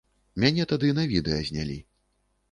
Мяне тады на відэа знялі.